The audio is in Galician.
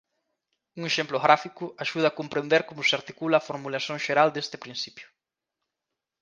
Un exemplo gráfico axuda a comprender como se articula a formulación xeral deste principio.